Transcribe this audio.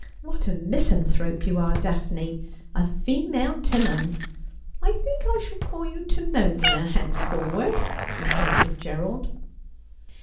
' What a misanthrope you are. Daphne — a female Timon ! I think I shall call you Timonia henceforward,' retorted Gerald.